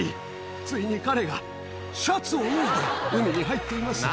ついに彼がシャツを脱いで海に入っています。